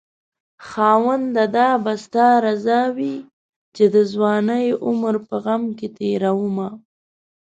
خاونده دا به ستا رضاوي چې دځوانۍ عمر په غم کې تيرومه